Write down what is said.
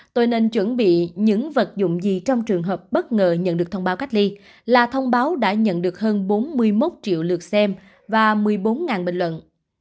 tôi nên chuẩn bị những vật dụng gì trong trường hợp bất ngờ nhận được thông báo cách ly là thông báo đã nhận được hơn bốn mươi một triệu lượt xem và một mươi bốn bình luận